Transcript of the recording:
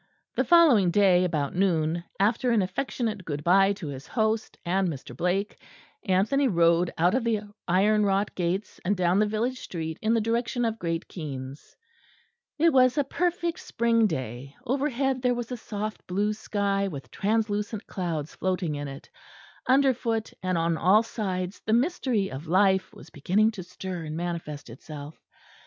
The following day about noon, after an affectionate good bye to his host and Mr. Blake, Anthony rode out of the iron wrought gates and down the village street in the direction of Great Keynes. It was a perfect spring day. Overhead there was a soft blue sky with translucent clouds floating in it; underfoot and on all sides the mystery of life was beginning to stir and manifest itself.